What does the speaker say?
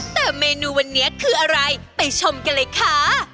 แต่เมนูวันนี้คืออะไรไปชมกันเลยค่ะ